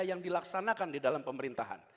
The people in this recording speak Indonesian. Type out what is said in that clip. yang dilaksanakan di dalam pemerintahan